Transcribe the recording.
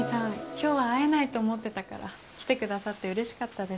今日は会えないと思ってたから来てくださってうれしかったです。